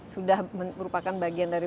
sudah merupakan bagian dari